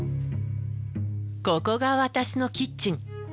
ここが私のキッチン。